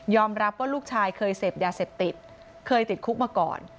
รับว่าลูกชายเคยเสพยาเสพติดเคยติดคุกมาก่อน